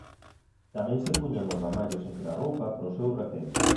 Tamén se puñan os ramallos entre a roupa para o seu recendo.